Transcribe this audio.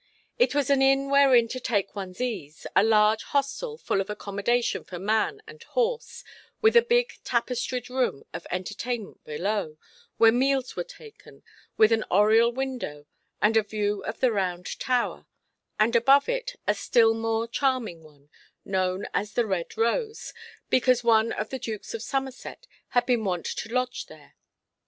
It was an inn wherein to take one's ease, a large hostel full of accommodation for man and horse, with a big tapestried room of entertainment below, where meals were taken, with an oriel window with a view of the Round Tower, and above it a still more charming one, known as the Red Rose, because one of the Dukes of Somerset had been wont to lodge there.